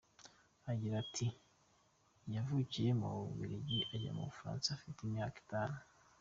Agira ati “Yavukiye mu Bubiligi ajya mu Bufaransa afite imyaka itanu.